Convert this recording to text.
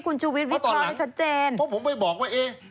คุณชุมิวิทราบให้ชัดเจนเพราะตอนหลังเพราะผมไปบอกว่าเอ๊ะ